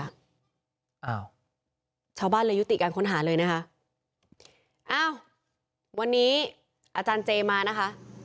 อ้าวชาวบ้านเลยยุติการค้นหาเลยนะคะอ้าววันนี้อาจารย์เจมานะคะ